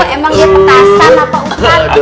emang dia petasan apa apa